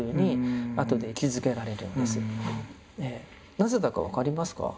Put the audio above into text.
なぜだか分かりますか？